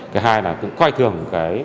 cái hai là quay thường